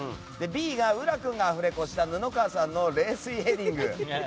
Ｂが浦君がアフレコした布川さんの冷水ヘディング。